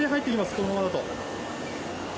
このままだと。